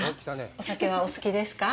お酒はお好きですか。